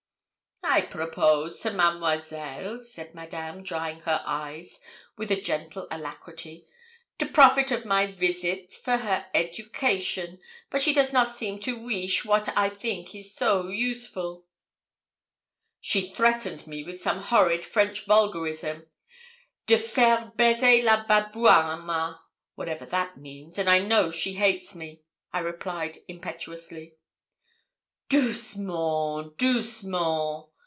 'I propose to Mademoiselle,' said Madame, drying her eyes with a gentle alacrity, 'to profit of my visit for her education. But she does not seem to weesh wat I think is so useful.' 'She threatened me with some horrid French vulgarism de faire baiser le babouin à moi, whatever that means; and I know she hates me,' I replied, impetuously. 'Doucement doucement!'